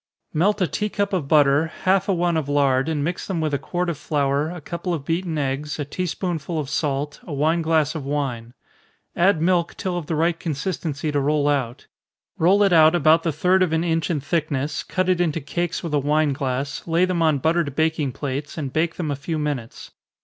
_ Melt a tea cup of butter, half a one of lard, and mix them with a quart of flour, a couple of beaten eggs, a tea spoonful of salt, a wine glass of wine. Add milk till of the right consistency to roll out roll it out about the third of an inch in thickness, cut it into cakes with a wine glass, lay them on buttered baking plates, and bake them a few minutes.